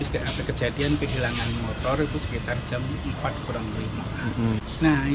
kejadian kehilangan motor itu sekitar jam empat kurang lebih